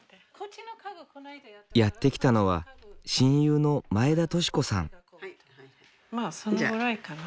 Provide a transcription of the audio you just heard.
やって来たのは親友のまあそのぐらいかな。